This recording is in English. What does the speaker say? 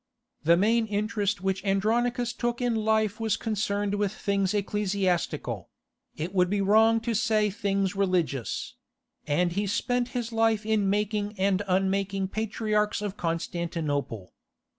The main interest which Andronicus took in life was concerned with things ecclesiastical—it would be wrong to say things religious—and he spent his life in making and unmaking patriarchs of Constantinople.